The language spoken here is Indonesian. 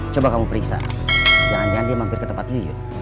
coba kamu periksa jangan jangan dia mampir ke tempat yuk